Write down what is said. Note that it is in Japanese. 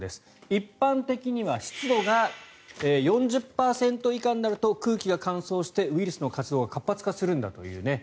一般的には湿度が４０％以下になると空気が乾燥してウイルスの活動が活発化するんだという。